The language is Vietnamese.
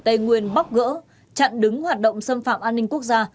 tây nguyên bóc gỡ chặn đứng hoạt động xâm phạm an ninh quốc gia